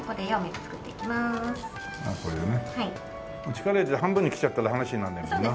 力入れて半分に切っちゃったら話にならないもんな。